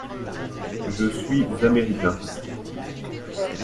Je suis Américain.